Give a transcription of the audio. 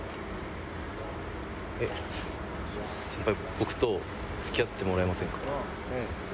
僕と付き合ってもらえませんか？